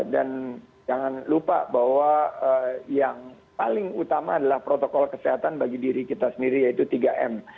dan jangan lupa bahwa yang paling utama adalah protokol kesehatan bagi diri kita sendiri yaitu tiga m